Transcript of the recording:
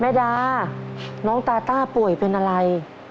ดาน้องตาต้าป่วยเป็นอะไร